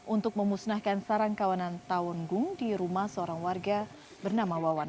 untuk memusnahkan sarang kawanan tawon gung di rumah seorang warga bernama wawan